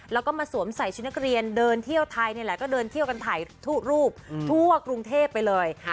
แล้วก็มาสวมใส่ชุดนักเรียนเดินเที่ยวไทยนี่แหละก็เดินเที่ยวกันถ่ายทุกรูปทั่วกรุงเทพไปเลย